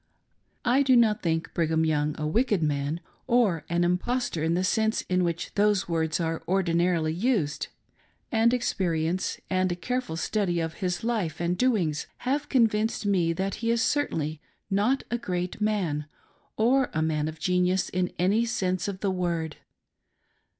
I do not think Brigham Young a wicked man or an impostor in the sense in which those words are ordinarily used ; and experience, and a careful study of his life and doings, have convinced me that he is certainly not a great man or a man of genius in any sense of the word.